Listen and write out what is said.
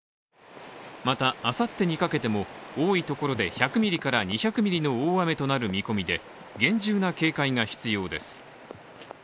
また、あさってにかけても多いところで１００ミリから２００ミリの大雨となる見込みで厳重な警戒が必要です。